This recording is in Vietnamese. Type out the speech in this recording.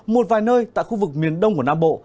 một vài nơi tại khu vực miền đông của nam bộ